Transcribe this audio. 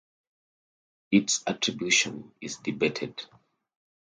Its attribution is debated.